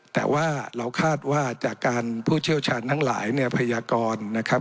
แต่ว่าเราคาดว่าจากการผู้เชี่ยวชาญทั้งหลายเนี่ยพยากรนะครับ